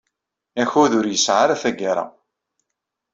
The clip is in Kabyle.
Akud ur yesɛi ara tagara.